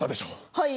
はい。